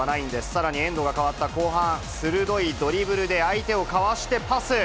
さらにエンドが変わった後半、鋭いドリブルで相手をかわしてパス。